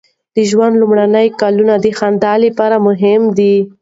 د ژوند لومړني کلونه د خندا لپاره مهم دي.